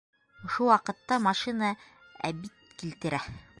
Ошо ваҡытта машина әбид килтерә!